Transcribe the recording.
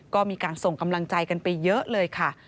ก็มีการส่งกำลังใจกันไปเยอะเลยค่ะ